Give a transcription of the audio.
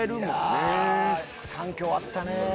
いや反響あったね。